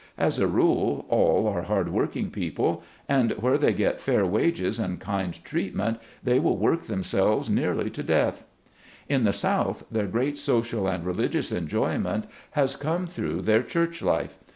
As a rule, all are hard working people, and where they get fair wages and kind treatment they will work themselves nearly to death. In the South, their great social and religious enjoyment has come through their church life.